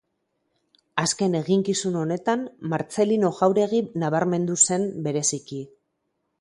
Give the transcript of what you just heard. Azken eginkizun honetan, Martzelino Jauregi nabarmendu zen bereziki.